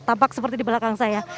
tampak seperti di belakang saya